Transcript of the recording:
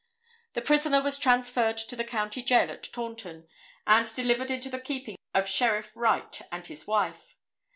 The prisoner was transferred to the county jail at Taunton and delivered into the keeping of Sheriff Wright and his wife.